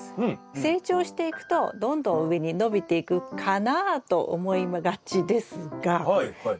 成長していくとどんどん上に伸びていくかなと思いがちですがうんうん。